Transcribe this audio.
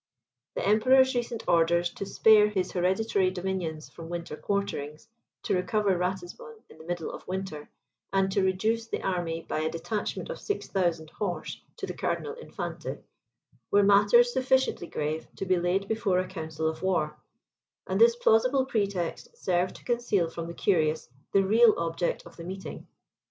The Emperor's recent orders to spare his hereditary dominions from winter quarterings, to recover Ratisbon in the middle of winter, and to reduce the army by a detachment of six thousand horse to the Cardinal Infante, were matters sufficiently grave to be laid before a council of war; and this plausible pretext served to conceal from the curious the real object of the meeting.